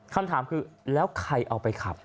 คำถามคือแล้วใครเอาไปขับ